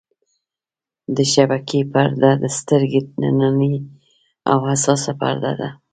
د شبکیې پرده د سترګې نننۍ او حساسه پرده ده.